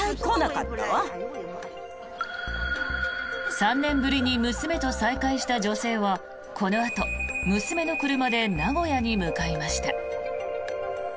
３年ぶりに娘と再会した女性はこのあと娘の車で名古屋に向かいました。